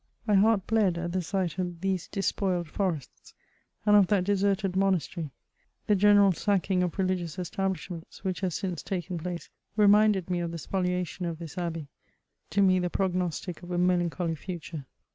My heart bled at the sight of these despoiled forests, and of that deserted monastery. The general sacking of religious establishments, which Ims since taken place, reminded me of the spoliation of this Abbey, — to me the prognosti(Lof a melancholy future.